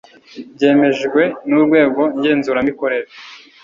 byemejwe n Urwego ngenzuramikorere